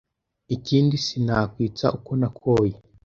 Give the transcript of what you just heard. Ikindi sinakwitsa uko nakoye